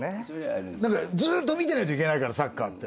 ずーっと見てないといけないからサッカーって。